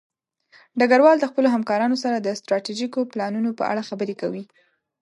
ډګروال د خپلو همکارانو سره د ستراتیژیکو پلانونو په اړه خبرې کوي.